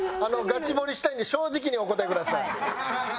ガチ掘りしたいんで正直にお答えください。